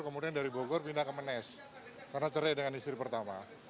kemudian dari bogor pindah ke menes karena cerai dengan istri pertama